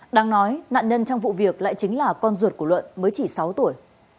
đang nói nạn nhân trong vụ việc lại chính là con ruột của luận mới chỉ sáu tuổi